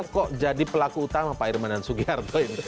kok jadi pelaku utama pak irman dan sugiharto